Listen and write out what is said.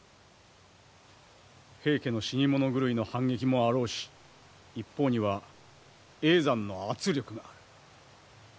平家の死に物狂いの反撃もあろうし一方には叡山の圧力がある。